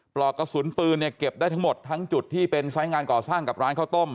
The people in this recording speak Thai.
ปลอกกระสุนปืนเนี่ยเก็บได้ทั้งหมดทั้งจุดที่เป็นไซส์งานก่อสร้างกับร้านข้าวต้ม